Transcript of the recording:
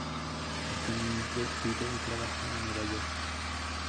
Actualmente vive y trabaja en Nueva York.